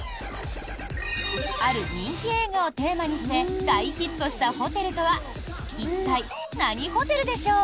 ある人気映画をテーマにして大ヒットしたホテルとは一体、何ホテルでしょう？